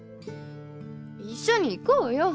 一緒に行こうよ。